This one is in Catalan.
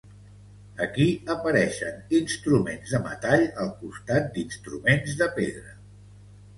Aquí apareixen instruments de metall al costat d'instruments de pedra.